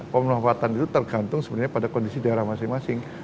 pemanfaatan itu tergantung sebenarnya pada kondisi daerah masing masing